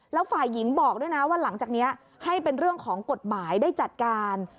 แล้วฝ่ายหญิงบอกด้วยนะว่าหลังจากนี้ให้เป็นเรื่องของกฎหมายได้จัดการ